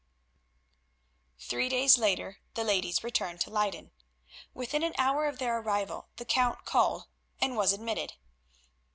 Three days later the ladies returned to Leyden. Within an hour of their arrival the Count called, and was admitted.